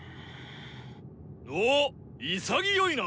おお潔いな。